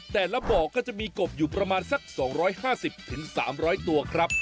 แต่ละบ่อก็จะมีกบอยู่ประมาณสัก๒๕๐๓๐๐ตัวครับ